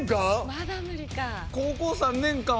まだ無理か。